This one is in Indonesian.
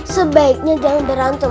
sebaiknya jangan berantem